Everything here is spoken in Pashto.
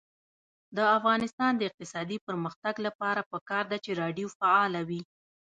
د افغانستان د اقتصادي پرمختګ لپاره پکار ده چې راډیو فعاله وي.